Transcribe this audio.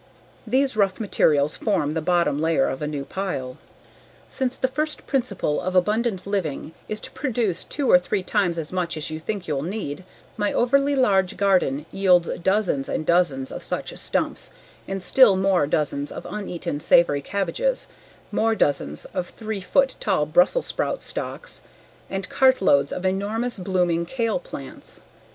These rough materials form the bottom layer of a new pile. Since the first principle of abundant living is to produce two or three times as much as you think you'll need, my overly large garden yields dozens and dozens of such stumps and still more dozens of uneaten savoy cabbages, more dozens of three foot tall Brussels sprouts stalks and cart loads of enormous blooming kale plants.